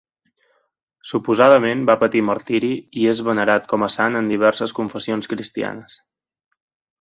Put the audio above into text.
Suposadament va patir martiri i és venerat com a sant en diverses confessions cristianes.